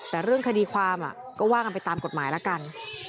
แต่เรื่องคดีความก็ว่ากันไปตามกฎหมายละกัน